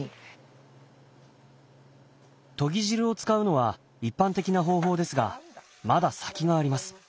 とぎ汁を使うのは一般的な方法ですがまだ先があります。